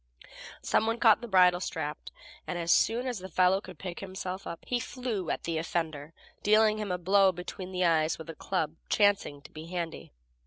Some one caught the bridle strap, and, as soon as the fellow could pick himself up, he flew at the offender, dealing him a blow between the eyes with a club chancing to be handy.